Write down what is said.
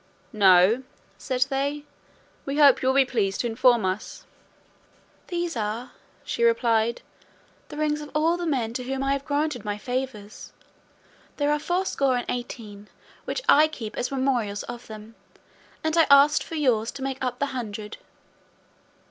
"No," said they, "we hope you will be pleased to inform us." "These are," she replied, "the rings of all the men to whom I have granted my favours. There are fourscore and eighteen, which I keep as memorials of them; and I asked for yours to make up the hundred.